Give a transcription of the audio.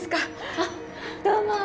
あっどうも。